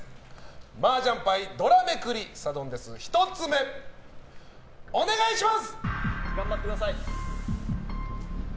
マージャン牌ドラめくりサドンデス１つ目、お願いします。